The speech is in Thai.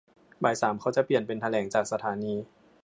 บ่ายสามเขาเปลี่ยนเป็นแถลงจากสถานี